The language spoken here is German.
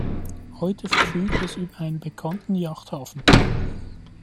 Heute verfügt es über einen bekannten Yachthafen.